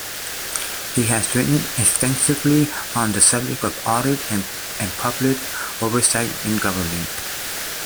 He has written extensively on the subject of audit and public oversight in government.